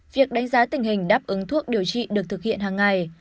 việc đánh giá tình hình đáp ứng thuốc điều trị được thực hiện hàng ngày